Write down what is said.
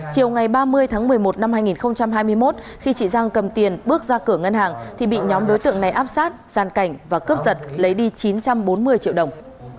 chiều ngày ba mươi tháng một mươi một năm hai nghìn hai mươi một khi chị giang cầm tiền bước ra cửa ngân hàng thì bị nhóm đối tượng này áp sát gian cảnh và cướp giật lấy đi chín trăm bốn mươi triệu đồng